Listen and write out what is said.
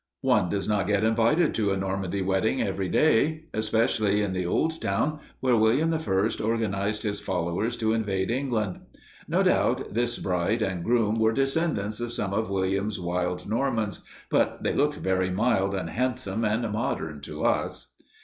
One does not get invited to a Normandy wedding every day, especially in the old town where William I organized his followers to invade England. No doubt this bride and groom were descendants of some of William's wild Normans, but they looked very mild and handsome and modern, to us.